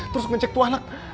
terus ngecek tuanak